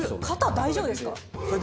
肩大丈夫ですか？